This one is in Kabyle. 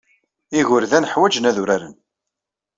Igerdan ḥwajen ad uraren.